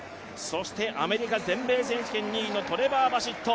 そしてアメリカ全米選手権２位のトレバー・バシット。